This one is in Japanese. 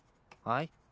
はい？